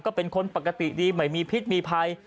ก็เป็นคนปกติดีไม่มีพิษมีภัย